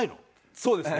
そうですね。